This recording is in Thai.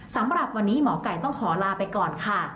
สำหรับวันนี้หมอไก่ต้องขอลาไปก่อนค่ะ